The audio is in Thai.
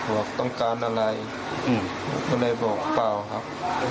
บอกต้องการอะไรก็เลยบอกเปล่าครับ